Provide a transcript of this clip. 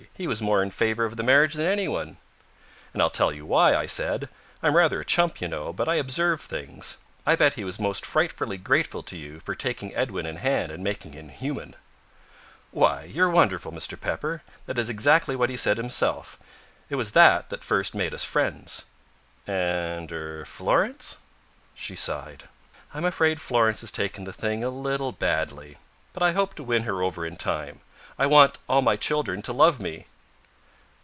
He was more in favor of the marriage than anyone." "And I'll tell you why," I said. "I'm rather a chump, you know, but I observe things. I bet he was most frightfully grateful to you for taking Edwin in hand and making him human." "Why, you're wonderful, Mr. Pepper. That is exactly what he said himself. It was that that first made us friends." "And er Florence?" She sighed. "I'm afraid Florence has taken the thing a little badly. But I hope to win her over in time. I want all my children to love me."